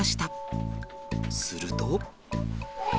すると。